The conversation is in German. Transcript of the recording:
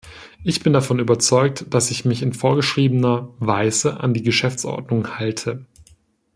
Ich bin davon überzeugt, dass ich mich in vorgeschriebener Weise an die Geschäftsordnung halte.